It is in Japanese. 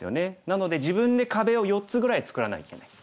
なので自分で壁を４つぐらい作らなきゃいけない。